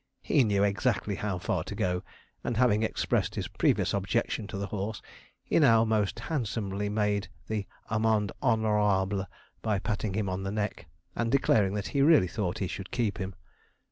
He knew exactly how far to go, and having expressed his previous objection to the horse, he now most handsomely made the amende honorable by patting him on the neck, and declaring that he really thought he should keep him.